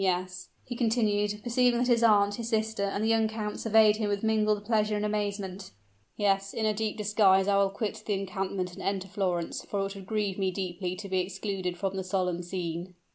Yes," he continued, perceiving that his aunt, his sister, and the young count surveyed him with mingled pleasure and amazement "yes, in a deep disguise I will quit the encampment and enter Florence, for it would grieve me deeply to be excluded from the solemn scene."